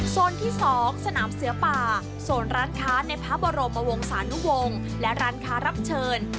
ที่๒สนามเสือป่าโซนร้านค้าในพระบรมวงศานุวงศ์และร้านค้ารับเชิญ